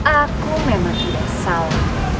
aku tidak salah